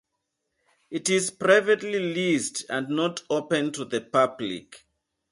It is privately leased, and not open to the public.